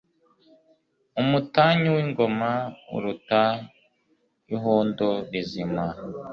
umutanyu w'ingoma uruta ihundo rizima